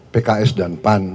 pks dan pan